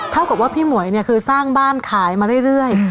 เท่ากับว่าพี่หมวยเนี่ยคือสร้างบ้านขายมาเรื่อย